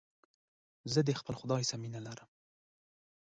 زه د خپل خداى سره مينه لرم.